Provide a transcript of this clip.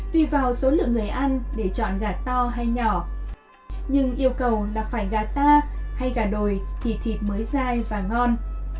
tùy vào số lượng người ăn để chọn gà to hay nhỏ nhưng yêu cầu là phải gà ta hay gà đồi thì thịt mới dai và ngon